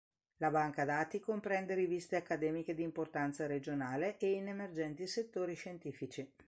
La banca dati comprende "riviste accademiche di importanza regionale e in emergenti settori scientifici".